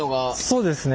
そうですね。